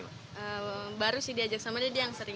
baru sih diajak sama dia yang sering